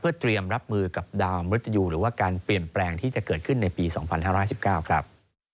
เตรียมรับมือกับดาวมนุษยูหรือว่าการเปลี่ยนแปลงที่จะเกิดขึ้นในปี๒๕๑๙ครับ